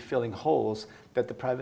hal yang tidak bisa dihasilkan